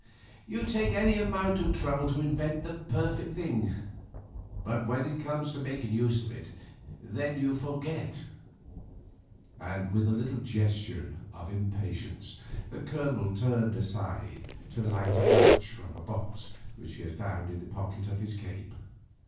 You take any amount of trouble to invent and perfect a thing, but when it comes to making use of it, then you forget," and with a little gesture of impatience the Colonel turned aside to light a match from a box which he had found in the pocket of his cape.